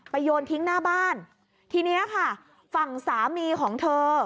โยนทิ้งหน้าบ้านทีเนี้ยค่ะฝั่งสามีของเธอ